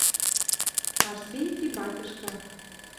Арсенти батьышка